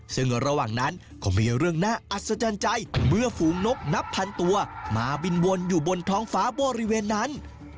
ซึ่งระหว่างนั้นก็มีเรื่องน่าอัศจรรย์ใจเมื่อฝูงนกนับพันตัวมาบินวนอยู่บนท้องฟ้าบริเวณนั้น